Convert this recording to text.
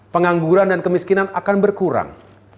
pengangguran dan kemiskinan akan berkurang